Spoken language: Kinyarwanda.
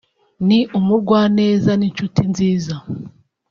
ni umugwaneza n’inshuti nziza